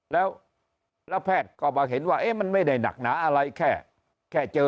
แล้วแพทย์ก็มาเห็นว่ามันไม่ได้หนักหนาอะไรแค่เจอ